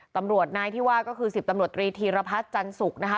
ตำรวจนายที่ว่าก็คือสิบตำรวจรีธีรพรรดิจันทรุกนะฮะ